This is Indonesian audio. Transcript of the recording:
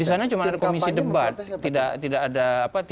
di sana cuma ada komisi debat